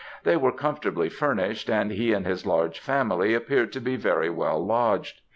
They were comfortably furnished, and he and his large family appeared to be very well lodged.